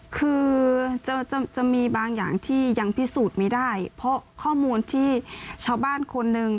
คือจะมีบางอย่างที่ยังพิสูจน์ไม่ได้เพราะข้อมูลที่ชาวบ้านคนหนึ่ง